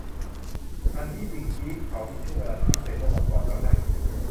อันที่จริง จีฟเขามีช่วงเวลาที่พิเศษเมื่อวันก่อนแล้วน่ะ